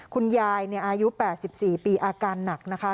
คุณยายอายุ๘๔ปีอาการหนักนะคะ